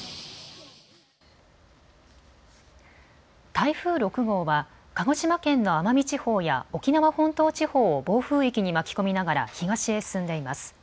台風６号は鹿児島県の奄美地方や沖縄本島地方を暴風域に巻き込みながら東へ進んでいます。